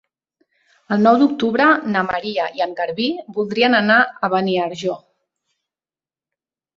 El nou d'octubre na Maria i en Garbí voldrien anar a Beniarjó.